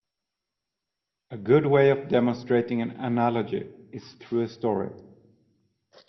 A good way of demonstrating an analogy is through a story.